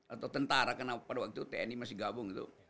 atau tentara karena pada waktu tni masih gabung gitu